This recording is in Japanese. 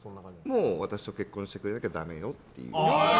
もう、私と結婚してくれなきゃダメよっていう。